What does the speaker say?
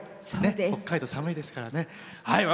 北海道、寒いですからね。